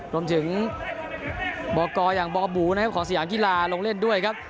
รวมถึงบอกกอย่างบอบูนะครับของสยามกีฬาลงเล่นด้วยครับ